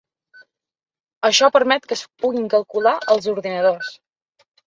Això permet que es puguin calcular en ordinadors.